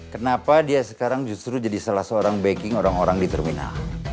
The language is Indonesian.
kenapa dia sekarang justru jadi salah seorang baking orang orang di terminal